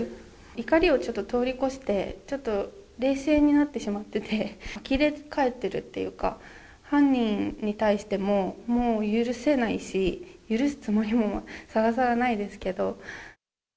怒りをちょっと通り越して、ちょっと冷静になってしまってて、あきれ返ってるっていうか、犯人に対しても、もう許せないし、許すつもりもさらさらないですけど。